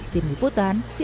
tim liputan cnn indonesia